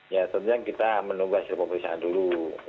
ya tentunya kita menunggu hasil pemeriksaan dulu